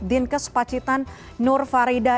dinkes pacitan nur farida